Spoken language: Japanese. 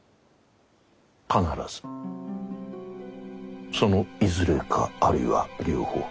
必ずそのいずれかあるいは両方。